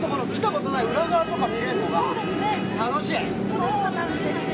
そうなんですよ